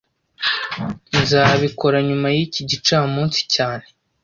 Nzabikora nyuma yiki gicamunsi cyane